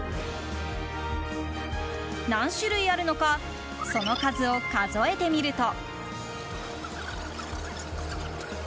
何種類あるのかその数を数えてみると。